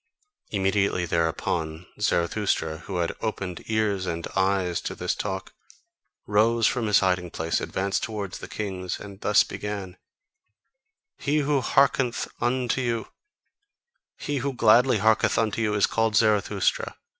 Immediately thereupon, Zarathustra, who had opened ears and eyes to this talk, rose from his hiding place, advanced towards the kings, and thus began: "He who hearkeneth unto you, he who gladly hearkeneth unto you, is called Zarathustra.